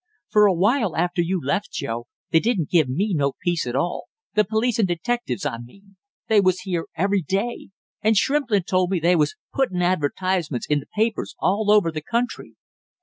"For a while after you left, Joe, they didn't give me no peace at all the police and detectives, I mean they was here every day! And Shrimplin told me they was puttin' advertisements in the papers all over the country."